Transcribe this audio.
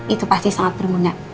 itu pasti sangat berguna